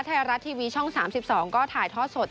ไทยรัฐทีวีช่อง๓๒ก็ถ่ายทอดสด